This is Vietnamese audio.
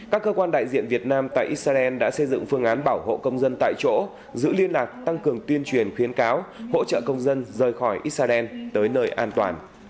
các cơ quan đại diện việt nam tại israel đã xây dựng phương án bảo hộ công dân israel trên tinh thần nhân đạo